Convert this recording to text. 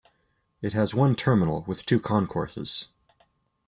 It has one terminal with two concourses.